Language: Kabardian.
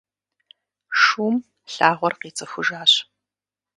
Шум лъагъуэр къицӏыхужащ.